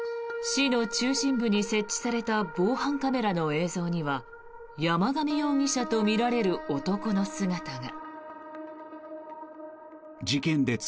市の中心部に設置された防犯カメラの映像には山上容疑者とみられる男の姿が。